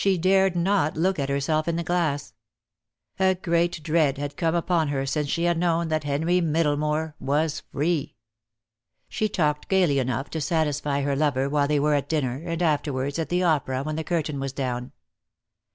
217 dared not look at herself in the glass, A great dread had come upon her since she had known that Henry Middlemore was free. She talked gaily enough to satisfy her lover while they were at dinner, and afterwards at the opera when the curtain was down.